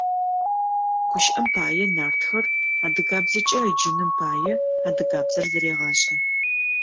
ГущыӀэм пае, «Нартхэр» адыгабзэкӏэ ыджыным пае адыгабзэр зэрегъашӀэ.